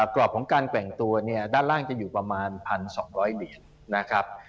กรอบของการแกว่งตัวเนี่ยด้านล่างจะอยู่ประมาณ๑๒๐๐เหรียญนะครับ